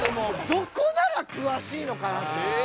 どこなら詳しいのかなと思って。